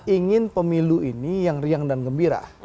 ingin pemilu ini yang riang dan gembira